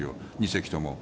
２隻とも。